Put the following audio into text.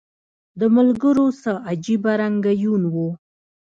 د ملګرو څه عجیبه رنګه یون و